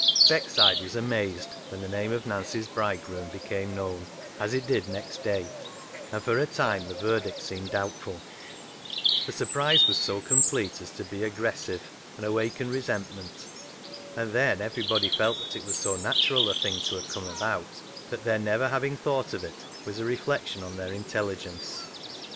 Beckside was amazed when the name of Nancy's bridegroom became known, as it did next day, and for a time the verdict seemed doubtful. The surprise was so complete as to be GIVING A MAN AWAY 93 aggressive and awaken resentment. And then everybody felt that it was so natural a thing to have come about that their never having thought of it was a reflection on their intelli gence.